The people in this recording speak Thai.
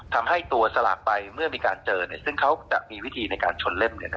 ทำให้ตัวสลากใบเมื่อมีการเจอซึ่งเขาจะมีวิธีในการชนเล่ม